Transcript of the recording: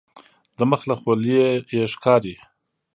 د مخ له خولیې یې ښکاري.